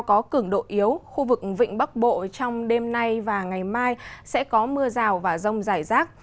có cường độ yếu khu vực vịnh bắc bộ trong đêm nay và ngày mai sẽ có mưa rào và rông rải rác